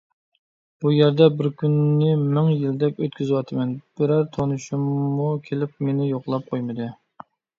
بۇ يەردە بىر كۈننى مىڭ يىلدەك ئۆتكۈزۈۋاتىمەن، بىرەر تونۇشمۇ كېلىپ مېنى يوقلاپ قويمىدى.